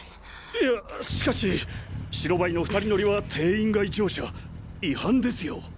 いやしかし白バイの二人乗りは定員外乗車違反ですよ！？